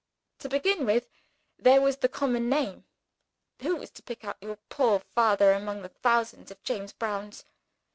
To begin with, there was the common name. Who was to pick out your poor father among the thousands of James Browns?